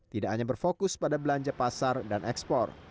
tidak hanya berfokus pada belanja pasar dan ekspor